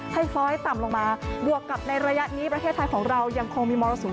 ค่อยต่ำลงมาบวกกับในระยะนี้ประเทศไทยของเรายังคงมีมรสุม